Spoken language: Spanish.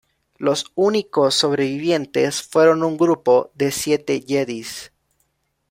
Los únicos sobrevivientes fueron un grupo de siete Jedis.